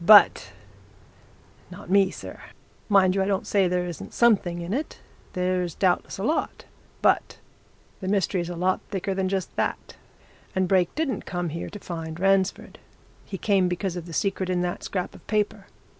"But not me, sir! Mind you, I don't say there isn't something in it there's doubtless a lot. But the mystery's a lot thicker than just that. And Brake didn't come here to find Ransford. He came because of the secret in that scrap of paper.